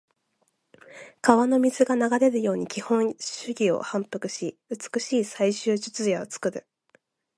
川の水が流れるように基本手技を反復し、美しい最終術野を作る。